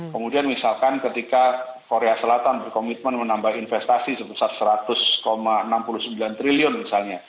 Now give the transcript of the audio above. kemudian misalkan ketika korea selatan berkomitmen menambah investasi sebesar rp seratus enam puluh sembilan triliun misalnya